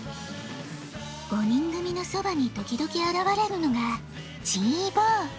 ５人組のそばに時々あらわれるのがチーボー。